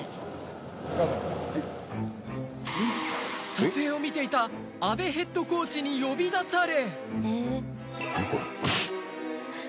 撮影を見ていた阿部ヘッドコーチに呼び出され。